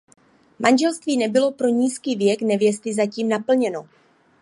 Manželství nebylo pro nízký věk nevěsty zatím naplněno.